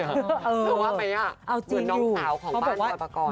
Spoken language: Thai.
หรือว่าไม่อ่ะเหมือนน้องสาวของบ้านอุปกรณ์